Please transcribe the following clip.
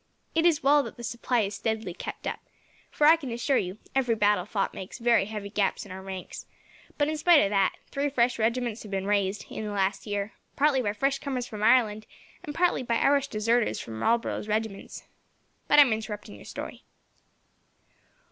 It is well that the supply is steadily kept up, for, I can assure you, every battle fought makes very heavy gaps in our ranks; but in spite of that, three fresh regiments have been raised, in the last year, partly by fresh comers from Ireland, and partly by Irish deserters from Marlborough's regiments. "But I am interrupting your story."